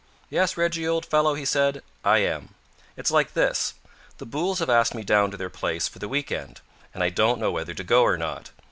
"Yes, Reggie, old fellow," he said, "I am. It's like this. The Booles have asked me down to their place for the week end, and I don't know whether to go or not.